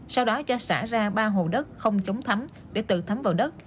sau đó cho xả ra ba hồ đất không chống thấm để tự thấm vào đất